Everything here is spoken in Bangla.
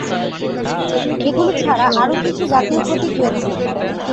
এগুলো ছাড়া আরও কিছু জাতীয় প্রতীক রয়েছে।